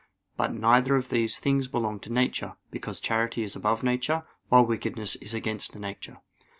But neither of these belongs to nature; because charity is above nature, while wickedness is against nature.